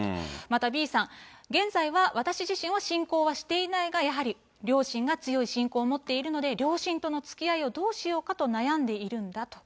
また、Ｂさん、現在は私自身は信仰はしていないが、やはり両親が強い信仰を持っているので、両親とのつきあいをどうしようかと悩んでいるんだと。